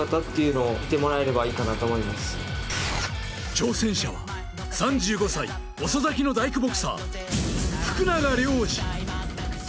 挑戦者は３５歳、遅咲きの大工ボクサー、福永亮次。